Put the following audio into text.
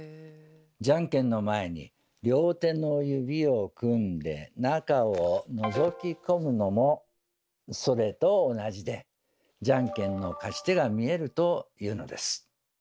じゃんけんの前に両手の指を組んで中をのぞき込むのもそれと同じでじゃんけんの勝ち手が見えるというのです。